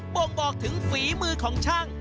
่งบอกถึงฝีมือของช่าง